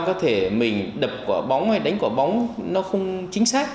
có thể mình đập quả bóng hay đánh quả bóng nó không chính xác